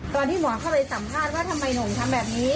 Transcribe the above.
ตอนที่หมอเข้าไปสัมภาษณ์ว่าทำไมหนูทำแบบนี้